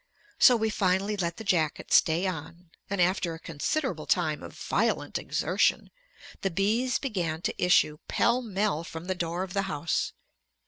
So we finally let the jacket stay on, and after a considerable time of violent exertion, the bees began to issue pell mell from the door of the house.